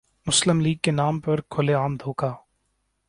مسلم لیگ کے نام پر کھلے عام دھوکہ ۔